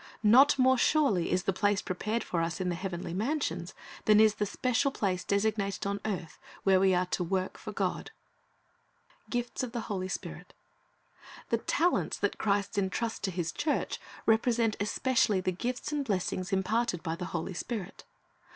Not more surely is the place prepared for us in the heavenly mansions than is the special place designated on earth where we are to work for God. GIFTS OF THE HOLY SPIRIT The talents that Christ entrusts to His church represent especially the gifts and blessings imparted by the Holy Spirit.